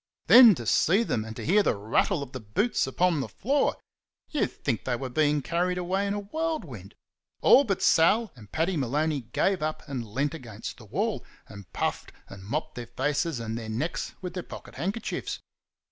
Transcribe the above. Then to see them and to hear the rattle of the boots upon the floor! You'd think they were being carried away in a whirlwind. All but Sal and Paddy Maloney gave up and leant against the wall, and puffed and mopped their faces and their necks with their pocket handkerchiefs.